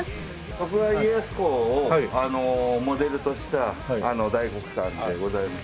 徳川家康公をモデルとした大黒さんでございます。